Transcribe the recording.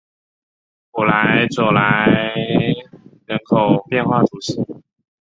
普朗佐莱人口变化图示